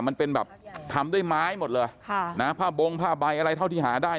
มันเป็นแบบทำด้วยไม้หมดเลยค่ะนะผ้าบงผ้าใบอะไรเท่าที่หาได้